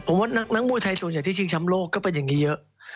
ผมว่านักมวยไทยส่วนใหญ่ที่ชิงช้ำโลกก็เป็นอย่างนี้เยอะ